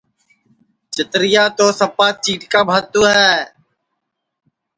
چترِیا تو سپا چِیٹکا بھاتُو ہے